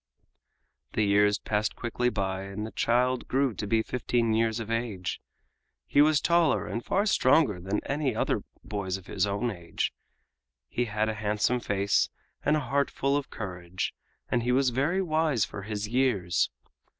The years passed quickly by and the child grew to be fifteen years of age. He was taller and far stronger than any other boys of his own age, he had a handsome face and a heart full of courage, and he was very wise for his years.